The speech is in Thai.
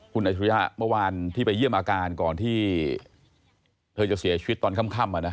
คุณอัชรุยะเมื่อวานที่ไปเยี่ยมอาการก่อนที่เธอจะเสียชีวิตตอนค่ำ